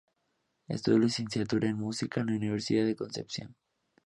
Estudió Licenciatura en Música en la Universidad de Concepción.